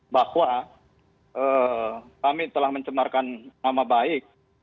bahwa kami telah mencemarkan nama baik